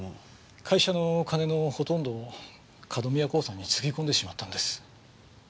会社の金のほとんどを角宮興産につぎ込んでしまったんです。